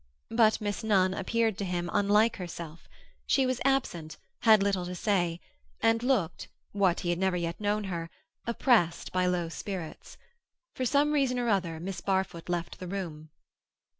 But Miss Nunn appeared to him unlike herself; she was absent, had little to say, and looked, what he had never yet known her, oppressed by low spirits. For some reason or other Miss Barfoot left the room.